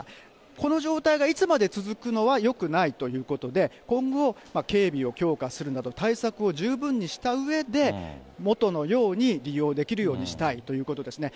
この状態がいつまで続くのはよくないということで、今後、警備を強化するなど、対策を十分にしたうえで、もとのように利用できるようにしたいということですね。